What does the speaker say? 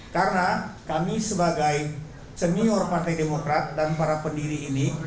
karena kami sebagai senior partai demokrat dan para pendiri ini